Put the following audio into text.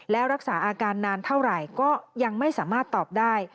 แล้วรักษาอาการนานเท่าไหร่ก็ยังไม่สามารถตอบได้